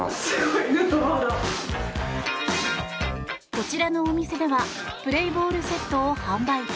こちらのお店ではプレイボールセットを販売。